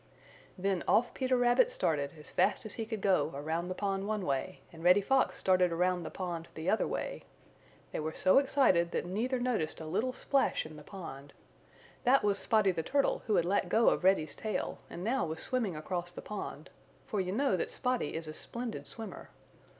Then off Peter Rabbit started as fast as he could go around the pond one way, and Reddy Fox started around the pond the other way. They were so excited that neither noticed a little splash in the pond. That was Spotty the Turtle who had let go of Reddy's tail and now was swimming across the pond, for you know that Spotty is a splendid swimmer.